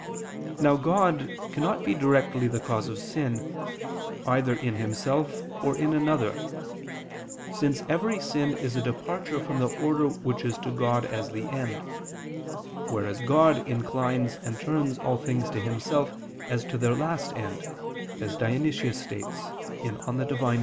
Now God cannot be directly the cause of sin, either in Himself or in another, since every sin is a departure from the order which is to God as the end: whereas God inclines and turns all things to Himself as to their last end, as Dionysius states (Div. Nom.